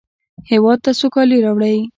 هېواد ته سوکالي راوړئ